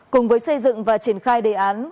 cùng với xây dựng và triển khai đề án